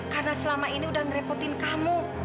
karena selama ini udah ngerepotin kamu